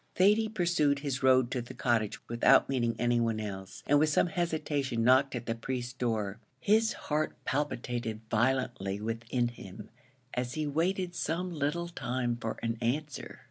Thady pursued his road to the Cottage, without meeting anyone else, and with some hesitation knocked at the priest's door. His heart palpitated violently within him as he waited some little time for an answer.